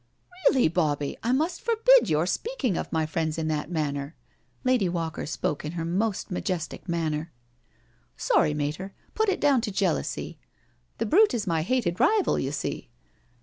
" Really, Bobbie, I must forbid your speaking of my friends in that manner." Lady Walker spoke in her most majestic manner. " Sorry, Mater— put it down to jealousy — the brut^ is my hated rival, you see."